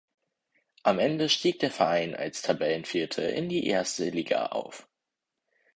Am Ende stieg der Verein als Tabellenvierter in die erste Liga auf.